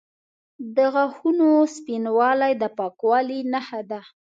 د غاښونو سپینوالی د پاکوالي نښه ده.